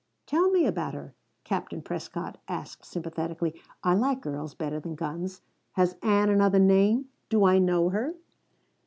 "Tell me about her," Captain Prescott asked sympathetically. "I like girls better than guns. Has Ann another name? Do I know her?"